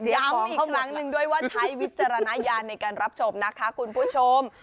ย้ำอีกครั้งหนึ่งด้วยว่าใช้วิจารณญาณในการรับชมนะคะคุณผู้ชม